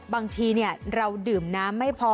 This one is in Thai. บางทีเราดื่มน้ำไม่พอ